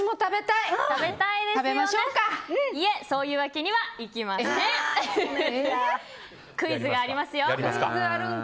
いえ、そういうわけにはいきません。